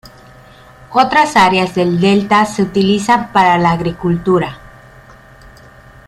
Otras áreas del delta se utilizan para la agricultura.